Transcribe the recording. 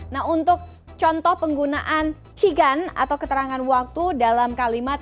nah untuk contoh penggunaan chigan atau keterangan waktu dalam kalimat